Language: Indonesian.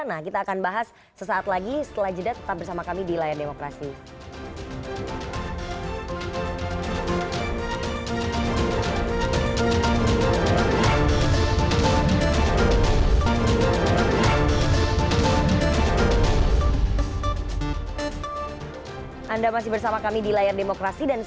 nah kita akan bahas sesaat lagi setelah jeda tetap bersama kami di layar demokrasi